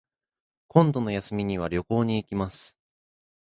今度の休みには旅行に行きます